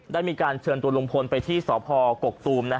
ได้มีการเชิญตัวลุงพลไปที่สพกกตูม